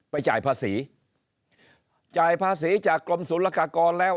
จ่ายภาษีจ่ายภาษีจากกรมศูนย์ละกากรแล้ว